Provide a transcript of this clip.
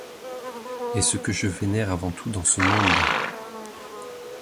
Et ce que je vénère avant tout dans ce monde